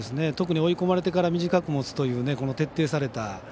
特に追い込まれてから短く持つという徹底された。